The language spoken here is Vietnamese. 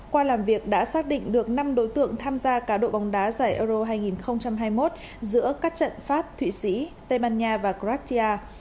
qua làm việc đã xác định được năm đối tượng tham gia cá độ bóng đá giải euro hai nghìn hai mươi một giữa các trận pháp thụy sĩ tây ban nha và gratia